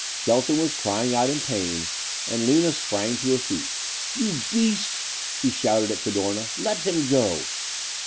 Shelton was crying out in pain and Lina sprang to her feet. "You beast!" she shouted at Cadorna. "Let him go."